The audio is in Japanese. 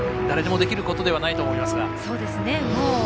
誰でもできることではないと思いますが。